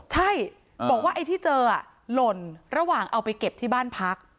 ใช่บอกว่าไอ้ที่เจอหล่นระหว่างเอาไปเก็บที่บ้านพัก